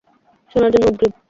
শোনার জন্য উদগ্রীব।